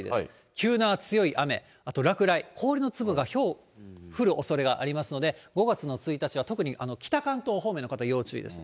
急な強い雨、あと落雷、氷の粒が、ひょう、降るおそれがありますので、５月の１日は特に北関東方面の方、要注意です。